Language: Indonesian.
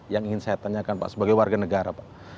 yang ingin saya tanyakan sebagai warga negara